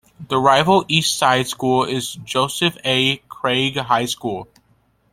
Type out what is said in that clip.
The rival east side school is Joseph A. Craig High School.